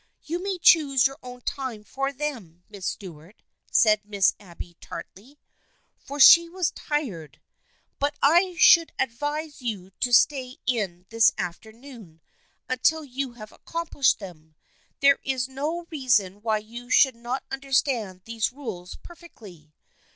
" You may choose your own time for them, Miss Stuart," said Miss Abby tartly, for she was tired, " but I should advise you to stay in this afternoon until you have accomplished them. There is no reason why you should not understand these rules perfectly.